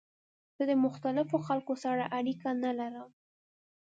زه د مختلفو خلکو سره اړیکه نه لرم.